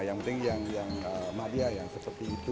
yang penting yang madia yang seperti itu